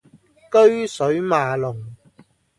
車水馬龍